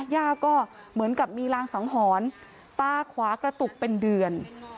ย่าก็เหมือนกับมีรางสังหรณ์ตาขวากระตุกเป็นเดือน